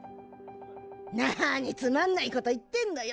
なにつまんないこと言ってんのよ！